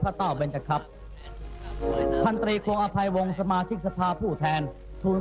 ประทับเหนือพระเซ่นอสธิตภายใต้พระบวนสเวตชัตริย์